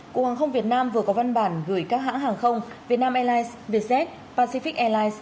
cục hàng không việt nam vừa có văn bản gửi các hãng hàng không vietnam airlines vietjet pacific airlines